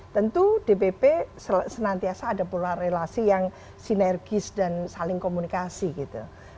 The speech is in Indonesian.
tentu dpp senantiasa ada pola relasi yang sinergis dan saling komunikasi gitu